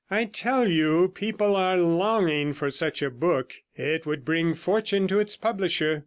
I tell you, people are longing for such a book; it would bring fortune to its publisher.